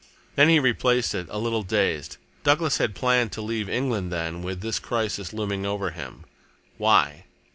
Then he replaced it, a little dazed. Douglas had planned to leave England, then, with this crisis looming over him. Why?